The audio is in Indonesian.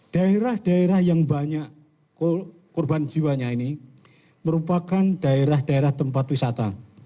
daerah daerah yang banyak korban jiwanya ini merupakan daerah daerah tempat wisata